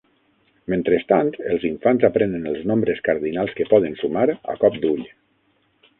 Mentrestant, els infants aprenen els nombres cardinals que poden sumar a cop d'ull.